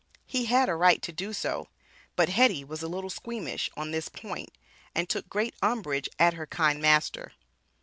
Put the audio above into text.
He had a right to do so; but Hetty was a little squeamish on this point and took great umbrage at her "kind master."